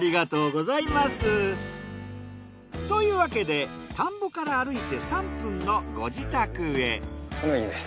というわけで田んぼから歩いて３分のこの家です。